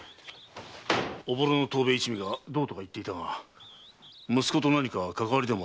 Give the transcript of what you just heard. おぼろの藤兵衛一味がどうとか言っていたが息子と何かかかわりでも？